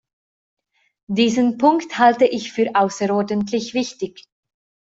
Diesen Punkt halte ich für außerordentlich wichtig.